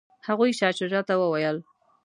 هغوی شاه شجاع ته وویل.